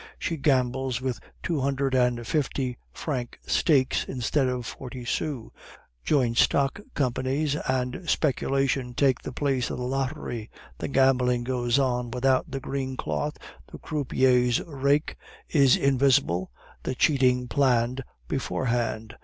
She gambles with two hundred and fifty franc stakes instead of forty sous; joint stock companies and speculation take the place of the lottery; the gambling goes on without the green cloth, the croupier's rake is invisible, the cheating planned beforehand.